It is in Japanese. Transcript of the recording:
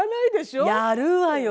やるわよ。